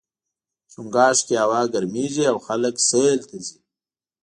چنګاښ کې هوا ګرميږي او خلک سیل ته ځي.